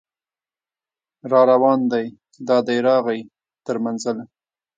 راروان دی دا دی راغی تر منزله